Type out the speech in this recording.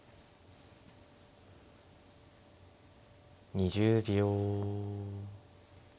２０秒。